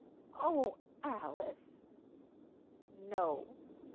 "Oh, Alice!" "No."